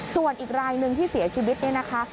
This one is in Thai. ส่วนอีกรายหนึ่งที่เสียชีวิตเนี่ยนะคะ